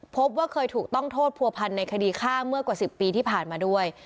พบว่าเคยถูกต้องโทษผัวพันธ์ในคดีฆ่าเมื่อกว่า๑๐ปีที่ผ่านมาด้วย